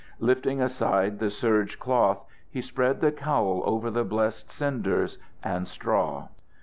Lifting aside the serge cloth, he spread the cowl over the blessed cinders and straw.